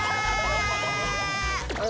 あ？